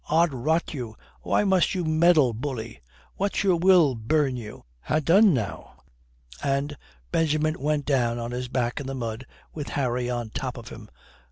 "Od rot you, why must you meddle, bully? What's your will, burn you? Ha' done now, and " Benjamin went down on his back in the mud with Harry on top of him.